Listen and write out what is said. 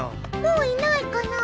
もういないかな？